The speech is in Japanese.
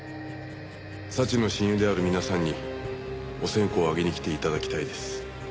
「早智の親友である皆さんにお線香をあげに来て頂きたいです」